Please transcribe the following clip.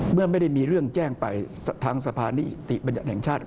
เมื่อไม่ได้มีเรื่องแจ้งไปทางสะพานิติบัญญัติแห่งชาติ